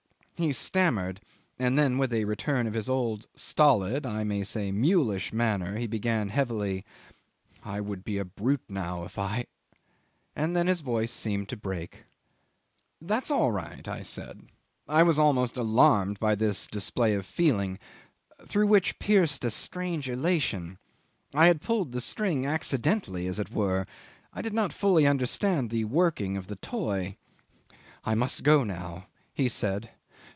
." he stammered, and then with a return of his old stolid, I may say mulish, manner he began heavily, "I would be a brute now if I ..." and then his voice seemed to break. "That's all right," I said. I was almost alarmed by this display of feeling, through which pierced a strange elation. I had pulled the string accidentally, as it were; I did not fully understand the working of the toy. "I must go now," he said.